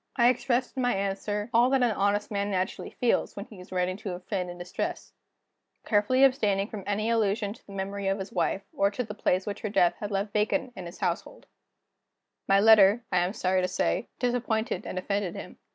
I expressed in my answer all that an honest man naturally feels, when he is writing to a friend in distress; carefully abstaining from any allusion to the memory of his wife, or to the place which her death had left vacant in his household. My letter, I am sorry to say, disappointed and offended him.